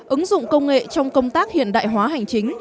ứng dụng công nghệ trong công tác hiện đại hóa hành chính